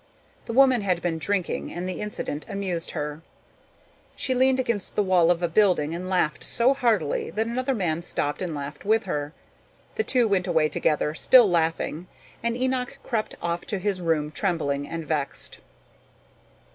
The woman had been drinking and the incident amused her. She leaned against the wall of a building and laughed so heartily that another man stopped and laughed with her. The two went away together, still laughing, and Enoch crept off to his room trembling and vexed.